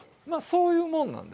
そういうもんなんですよ。